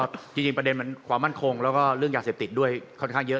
จริงประเด็นมันความมั่นคงแล้วก็เรื่องยาเสพติดด้วยค่อนข้างเยอะ